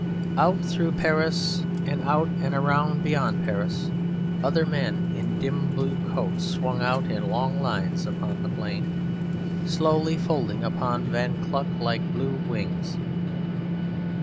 Out through Paris and out and around beyond Paris, other men in dim blue coats swung out in long lines upon the plain, slowly folding upon Von Kluck like blue wings.